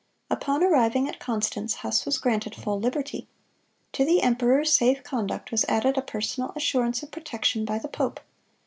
Upon arriving at Constance, Huss was granted full liberty. To the emperor's safe conduct was added a personal assurance of protection by the pope.